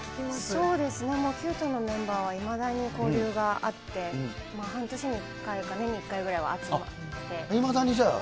そうですね、もうもうＱ１０のメンバーとはいまだにいまだに交流があって、半年に１回とか年に１回ぐらいは会っていて。